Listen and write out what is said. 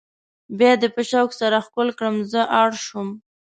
بیا دې په شوق سره ښکل کړم زه اړ شوم.